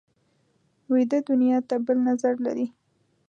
ویده دنیا ته بل نظر لري